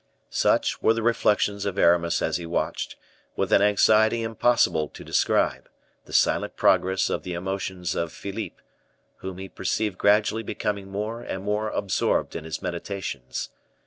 Such were the reflections of Aramis as he watched, with an anxiety impossible to describe, the silent progress of the emotions of Philippe, whom he perceived gradually becoming more and more absorbed in his meditations.